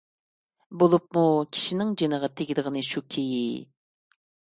بولۇپمۇ كىشىنىڭ جېنىغا تېگىدىغىنى شۇكى،